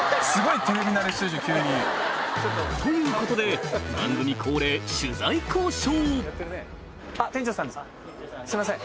ということで番組恒例取材交渉すいません。